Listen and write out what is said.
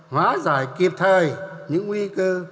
hóa giải kịp thời những nguy cơ